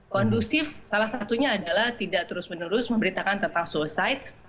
kondusif salah satunya adalah tidak terus menerus memberitakan tentang suicide